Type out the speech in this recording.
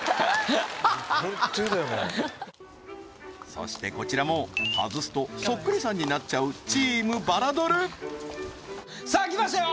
そしてこちらも外すとそっくりさんになっちゃうさあ来ましたよ